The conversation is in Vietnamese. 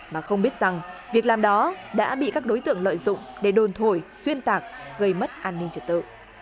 mà không biết rằng việc làm đó đã bị các đối tượng lợi dụng để đồn thổi xuyên tạc gây mất an ninh trật tự